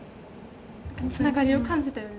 何かつながりを感じたよね。